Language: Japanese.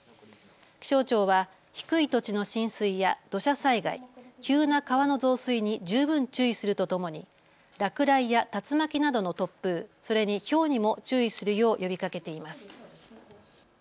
気象庁は低い土地の浸水や土砂災害、急な川の増水に十分注意するとともに落雷や竜巻などの突風、それにひょうにも注意するよう呼びかけています。